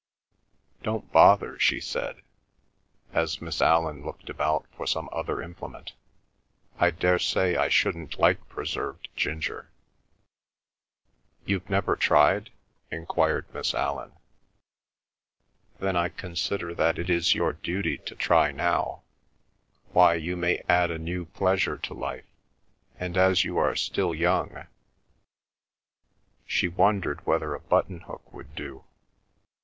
"Don't bother," she said, as Miss Allan looked about for some other implement. "I daresay I shouldn't like preserved ginger." "You've never tried?" enquired Miss Allan. "Then I consider that it is your duty to try now. Why, you may add a new pleasure to life, and as you are still young—" She wondered whether a button hook would do.